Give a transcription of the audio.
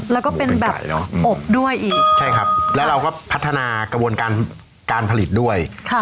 แล้วก็เป็นแบบอบด้วยอีกใช่ครับแล้วเราก็พัฒนากระบวนการการผลิตด้วย